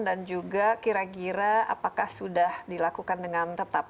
dan juga kira kira apakah sudah dilakukan dengan tetap